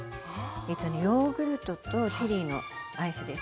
えっとねヨーグルトとチェリーのアイスです。